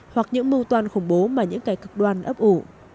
hoặc những mưu toan khủng bố mà những kẻ cực đoan ấp ủ